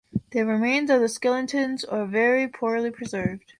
The remains of the skeletons are very poorly preserved.